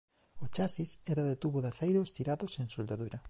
O chasis era de tubo de aceiro estirado sen soldadura.